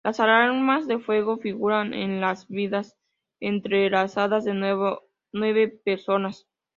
Las armas de fuego figuran en las vidas entrelazadas de nueve personas.